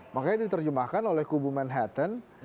makanya diterjemahkan oleh kubu manhattan